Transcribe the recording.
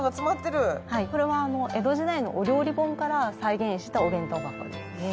これは江戸時代のお料理本から再現したお弁当箱ですね。